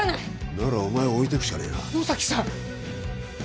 ならお前を置いてくしかねえな野崎さん！